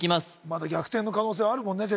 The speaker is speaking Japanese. まだ逆転の可能性はあるもんね